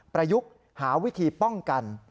ประยุกต์หาวิธีป้องกัน